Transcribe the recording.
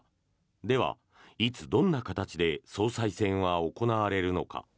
では、いつどんな形で総裁選は行われるのか。